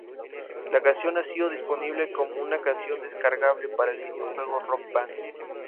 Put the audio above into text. La canción ha sido disponible como una canción descargable para el videojuego "Rock Band".